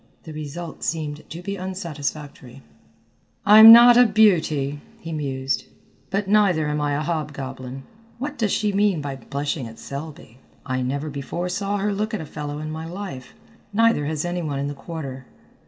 The result seemed to be unsatisfactory. "I'm not a beauty," he mused, "but neither am I a hobgoblin. What does she mean by blushing at Selby? I never before saw her look at a fellow in my life, neither has any one in the Quarter.